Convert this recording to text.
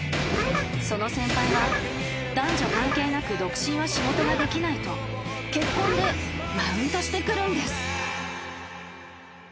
［その先輩は男女関係なく独身は仕事ができないと結婚でマウントしてくるんです］